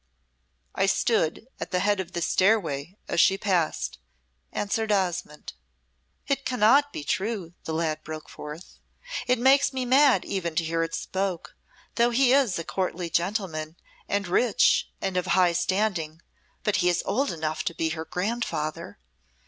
"I stood at the head of the stairway as she passed," answered Osmonde. "It cannot be true," the lad broke forth; "it makes me mad even to hear it spoke though he is a courtly gentleman and rich and of high standing but he is old enough to be her grandfather.